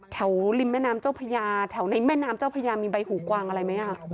ริมแม่น้ำเจ้าพญาแถวในแม่น้ำเจ้าพญามีใบหูกวางอะไรไหม